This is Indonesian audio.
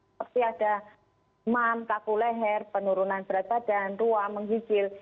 seperti ada demam kaku leher penurunan berat badan ruam menghijil